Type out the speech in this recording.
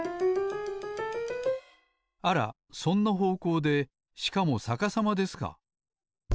あらそんなほうこうでしかもさかさまですか。